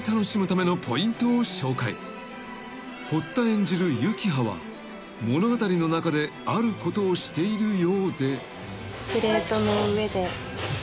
［堀田演じる幸葉は物語の中であることをしているようで］